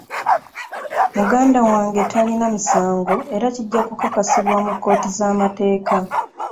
Muganda wange talina musango era kijja kukakasibwa mu kkooti z'amateeka.